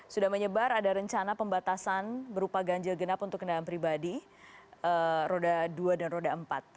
sudah menyebar ada rencana pembatasan berupa ganjil genap untuk kendaraan pribadi roda dua dan roda empat